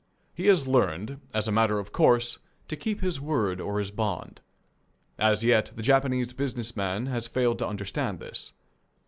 He has learned, as a matter of course, to keep his word or his bond. As yet, the Japanese business man has failed to understand this.